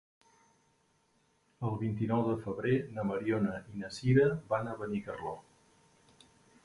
El vint-i-nou de febrer na Mariona i na Sira van a Benicarló.